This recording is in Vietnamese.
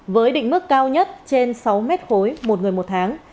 với định mức cao nhất trên sáu mét khối một người một tháng